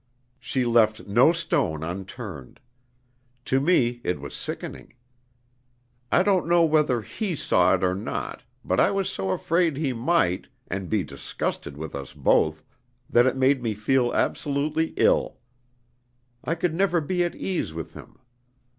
She left no stone unturned. To me it was sickening. I don't know whether he saw it or not, but I was so afraid he might, and be disgusted with us both, that it made me feel absolutely ill. I could never be at ease with him.